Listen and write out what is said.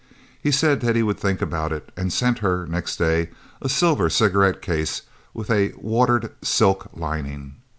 He said that he would think about it, and sent her, next day, a silver cigarette case with a watered silk lining.